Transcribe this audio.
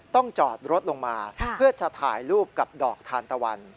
จอดรถลงมาเพื่อจะถ่ายรูปกับดอกทานตะวัน